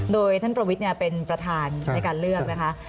โดยท่านประวิทย์เป็นประธานในการเลือกนะคะ